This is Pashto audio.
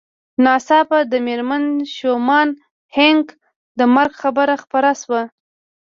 ناڅاپه د مېرمن شومان هينک د مرګ خبر خپور شو